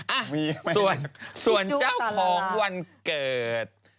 อ่ะส่วนเจ้าของวันเกิด